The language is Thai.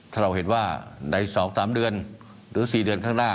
ถ้าเราเห็นว่าใน๒๓เดือนหรือ๔เดือนข้างหน้า